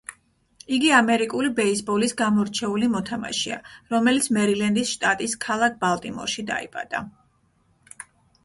იგი ამერიკული ბეისბოლის გამორჩეული მოთამაშეა, რომელიც მერილენდის შტატის ქალაქ ბალტიმორში დაიბადა.